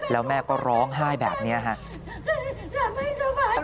แล้วแม่ก็ร้องไห้แบบนี้ครับ